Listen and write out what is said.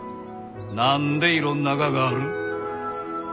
何でいろんなががある？